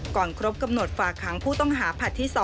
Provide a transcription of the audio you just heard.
ครบกำหนดฝากหางผู้ต้องหาผลัดที่๒